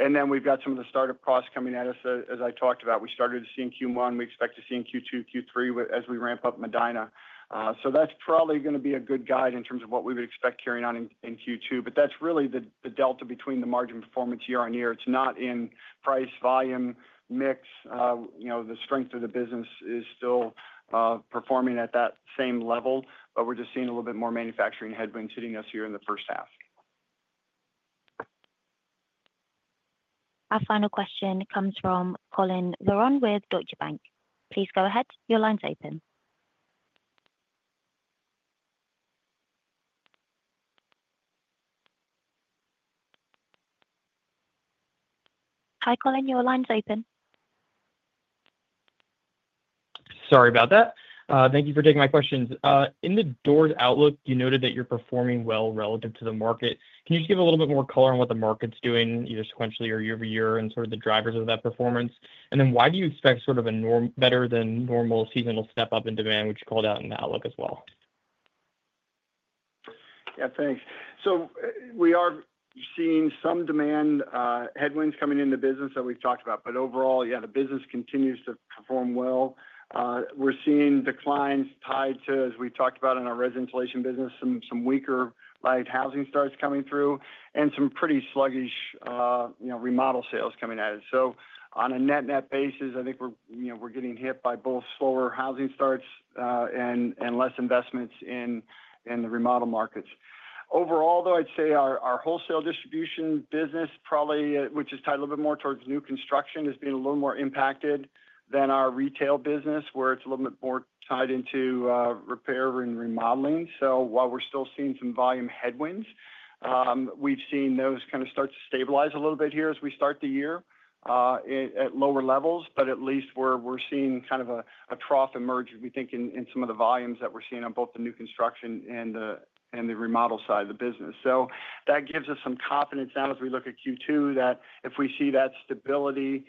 We've got some of the startup costs coming at us, as I talked about. We started to see in Q1. We expect to see in Q2, Q3 as we ramp up Medina. That's probably going to be a good guide in terms of what we would expect carrying on in Q2. That's really the delta between the margin performance year on year. It's not in price, volume, mix. The strength of the business is still performing at that same level, but we're just seeing a little bit more manufacturing headwinds hitting us here in the first half. Our final question comes from Colin Laurent with Deutsche Bank. Please go ahead. Your line's open. Hi, Colin. Your line's open. Sorry about that. Thank you for taking my questions. In the doors outlook, you noted that you're performing well relative to the market. Can you just give a little bit more color on what the market's doing, either sequentially or year over year, and sort of the drivers of that performance? Why do you expect sort of a better than normal seasonal step up in demand, which you called out in the outlook as well? Yeah, thanks. We are seeing some demand headwinds coming into business that we've talked about. Overall, yeah, the business continues to perform well. We're seeing declines tied to, as we talked about in our residential insulation business, some weaker light housing starts coming through and some pretty sluggish remodel sales coming at it. On a net-net basis, I think we're getting hit by both slower housing starts and less investments in the remodel markets. Overall, though, I'd say our wholesale distribution business, probably which is tied a little bit more towards new construction, is being a little more impacted than our retail business, where it's a little bit more tied into repair and remodeling. While we're still seeing some volume headwinds, we've seen those kind of start to stabilize a little bit here as we start the year at lower levels, but at least we're seeing kind of a trough emerge, we think, in some of the volumes that we're seeing on both the new construction and the remodel side of the business. That gives us some confidence now as we look at Q2 that if we see that stability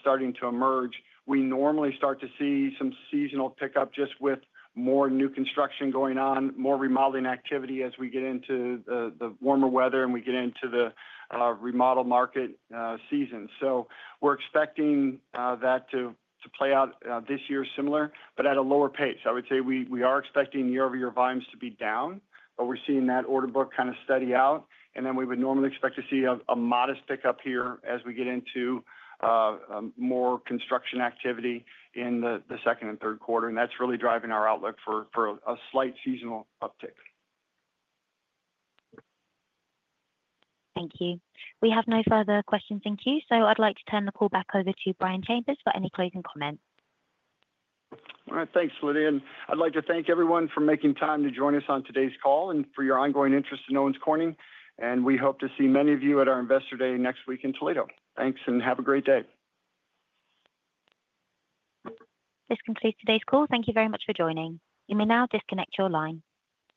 starting to emerge, we normally start to see some seasonal pickup just with more new construction going on, more remodeling activity as we get into the warmer weather and we get into the remodel market season. We're expecting that to play out this year similar, but at a lower pace. I would say we are expecting year-over-year volumes to be down, but we're seeing that order book kind of steady out. We would normally expect to see a modest pickup here as we get into more construction activity in the second and third quarter. That is really driving our outlook for a slight seasonal uptick. Thank you. We have no further questions in queue. So I'd like to turn the call back over to Brian Chambers for any closing comments. All right, thanks, Lydia. I would like to thank everyone for making time to join us on today's call and for your ongoing interest in Owens Corning. We hope to see many of you at our investor day next week in Toledo. Thanks and have a great day. This concludes today's call. Thank you very much for joining. You may now disconnect your line.